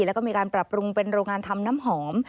แล้วก็มีการปรับปรุงเป็นโรงงานทำน้ำหอม